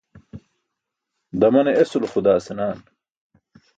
Damane esulo xudaa senaaan.